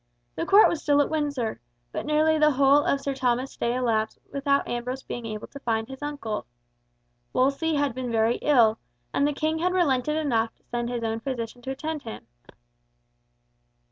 The Court was still at Windsor; but nearly the whole of Sir Thomas's stay elapsed without Ambrose being able to find his uncle. Wolsey had been very ill, and the King had relented enough to send his own physician to attend him.